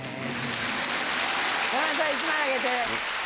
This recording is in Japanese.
山田さん１枚あげて。